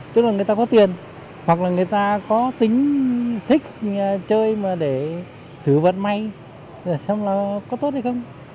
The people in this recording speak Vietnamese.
thứ vật may xem là có tốt hay không